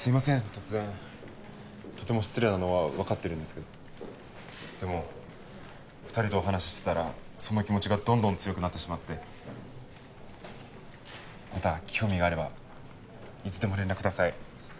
突然とても失礼なのは分かってるんですけどでも２人とお話してたらそんな気持ちがどんどん強くなってしまってまた興味があればいつでも連絡ください